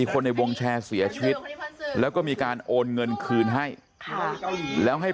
คนในวงแชร์เสียชีวิตแล้วก็มีการโอนเงินคืนให้แล้วให้